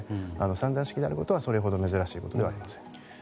３段式であるということはそれほど珍しいことではありません。